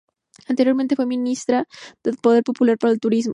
Anteriormente fue ministra del Poder Popular para el Turismo.